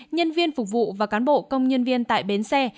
nhân viên phục vụ và cán bộ công nhân viên tại bến xe